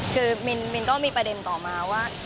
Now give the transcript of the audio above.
คือมินก็มีประเด็นต่อมาว่า